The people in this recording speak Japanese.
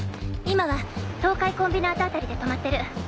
今は東海コンビナート辺りで止まってる。